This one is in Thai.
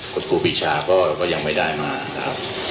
กฎครูปิชาก็ยังไม่ได้มา